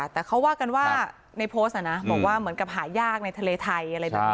แต่เขาว่ากันว่าในโพสต์บอกว่าเหมือนกับหายากในทะเลไทยอะไรแบบนี้